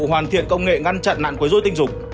hoàn thiện công nghệ ngăn chặn nạn quấy dối tình dục